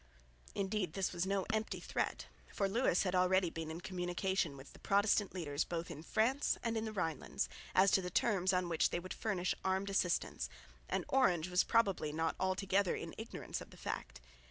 Indeed this was no empty threat, for Lewis had already been in communication with the Protestant leaders both in France and in the Rhinelands, as to the terms on which they would furnish armed assistance; and Orange was probably not altogether in ignorance of the fact.